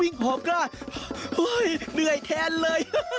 วิ่งพร้อมก็เห้ยเนื่อยแทนเลย